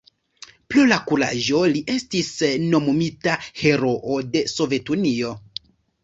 Pro la kuraĝo li estis nomumita Heroo de Sovetunio.